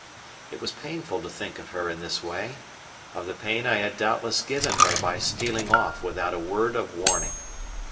It was painful to think of her in this way, of the pain I had doubtless given her by stealing off without a word of warning.